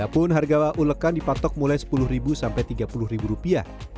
pun harga ulekan dipatok mulai sepuluh sampai tiga puluh rupiah